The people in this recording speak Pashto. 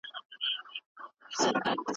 هوښيار هغه چې پردي خپل کړي